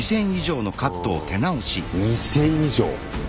うん２０００以上！